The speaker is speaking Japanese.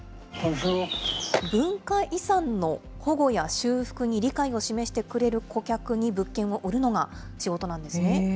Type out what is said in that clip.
文化遺産の保護や修復に理解を示してくれる顧客に物件を売るのが仕事なんですね。